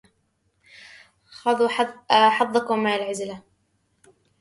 خذوا حظكم من العزلة.